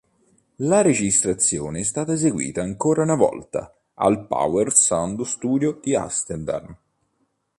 La registrazione è stata eseguita ancora una volta al Power Sound Studio di Amsterdam.